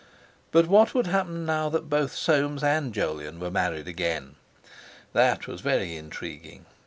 But what would happen now that both Soames and Jolyon were married again? That was very intriguing.